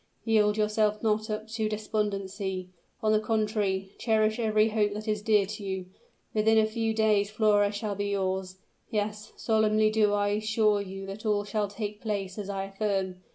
Yield yourself not up to despondency on the contrary, cherish every hope that is dear to you. Within a few days Flora shall be yours! Yes solemnly do I assure you that all shall take place as I affirm.